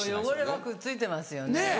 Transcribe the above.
汚れはくっついてますよね。